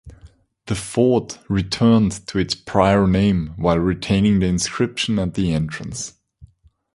The fort returned to its prior name while retaining the inscription at the entrance.